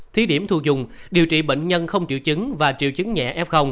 thí điểm thu dung điều trị bệnh nhân không triệu chứng và triệu chứng nhẹ f